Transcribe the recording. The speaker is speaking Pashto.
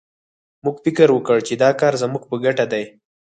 موږ فکر وکړ چې دا کار زموږ په ګټه دی